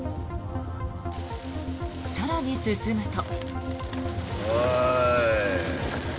更に進むと。